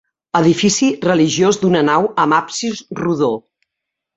Edifici religiós d'una nau amb absis rodó.